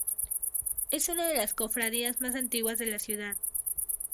Es una de las cofradías más antiguas de la ciudad.